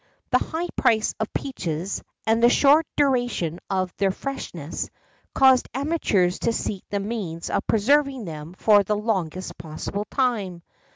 The high price of peaches, and the short duration of their freshness, caused amateurs to seek the means of preserving them for the longest possible time.